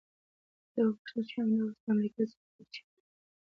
ده وپوښتل چې همدا اوس د امریکا سفیر چیرته دی؟